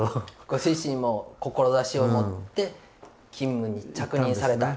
ご自身も志を持って勤務に着任された。